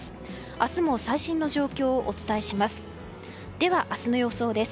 明日も最新の状況をお伝えします。